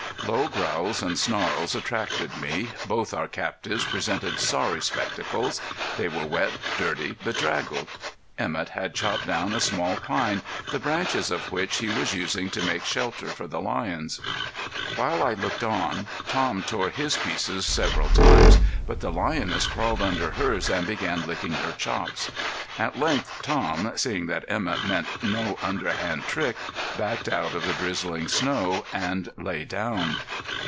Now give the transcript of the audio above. Low growls and snarls attracted me. Both our captives presented sorry spectacles; they were wet, dirty, bedraggled. Emett had chopped down a small pine, the branches of which he was using to make shelter for the lions. While I looked on Tom tore his to pieces several times, but the lioness crawled under hers and began licking her chops. At length Tom, seeing that Emett meant no underhand trick, backed out of the drizzling snow and lay down.